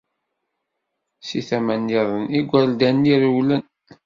Si tama nniḍen, igerdan-nni rewlen.